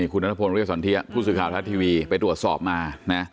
คุณอนุโภนวิวสันเทียผู้สื่อข่าวทัศน์ทีวีไปตรวจสอบมา